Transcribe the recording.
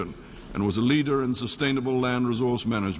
คุณพระเจ้าคุณพระเจ้าคุณพระเจ้า